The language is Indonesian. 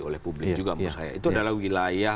oleh publik juga menurut saya itu adalah wilayah